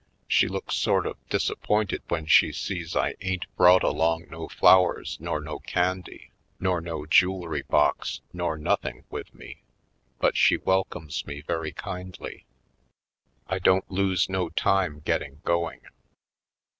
She looks sort of disappointed when she sees I ain't brought along no flowers nor no candy nor no jewelry box nor nothing with me; but she welcomes me very kindly. I don't lose no time getting going.